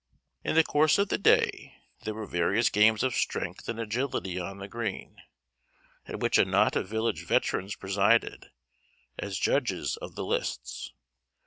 In the course of the day there were various games of strength and agility on the green, at which a knot of village veterans presided, as judges of the lists.